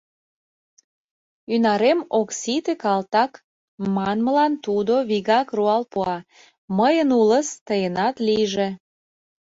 «Ӱнарем ок сите, калтак!» манмылан тудо вигак руал пуа: «Мыйын улыс, тыйынат лийже!»